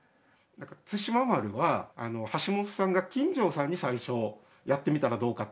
対馬丸は橋本さんが金城さんに最初やってみたらどうかっておっしゃった？